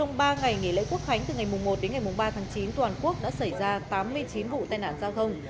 trong ba ngày nghỉ lễ quốc khánh từ ngày một đến ngày ba tháng chín toàn quốc đã xảy ra tám mươi chín vụ tai nạn giao thông